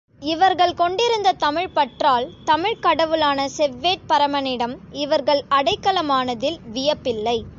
இவர்கள் கொண்டிருந்த தமிழ்ப் பற்றால் தமிழ்க் கடவுளான செவ்வேட் பரமனிடம் இவர்கள் அடைக்கலமானதில் வியப்பில்லை.